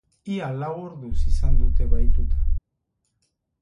Ia lau orduz izan dute bahituta.